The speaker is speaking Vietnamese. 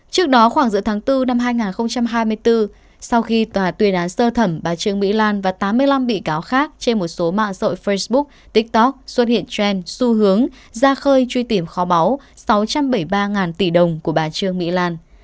trước đó khoảng giữa tháng bốn năm hai nghìn hai mươi bốn sau khi tòa tuyên án sơ thẩm bà trương mỹ lan và tám mươi năm bị cáo khác trên một số mạng xã hội facebook tiktok xuất hiện trend xu hướng ra khơi truy tìm kho báu sáu trăm bảy mươi ba tỷ đồng của bà trương mỹ lan